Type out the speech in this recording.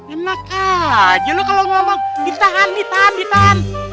enak aja lu kalo ngomong ditahan ditahan ditahan